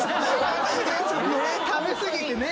食べ過ぎてね。